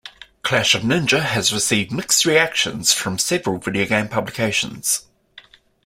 "Clash of Ninja" has received mixed reactions from several video game publications.